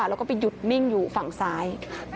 แล้วก็ไปหยุดนิ่งอยู่ฝั่งซ้าย